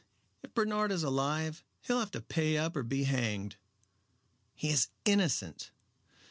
If Bernard is alive, he'll have to pay up or be hanged." "He is innocent."